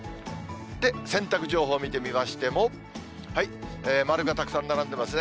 洗濯情報を見てみましても、丸がたくさん並んでますね。